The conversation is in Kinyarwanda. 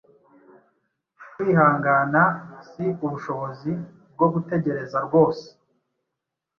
kwihangana si ubushobozi bwo gutegereza rwose,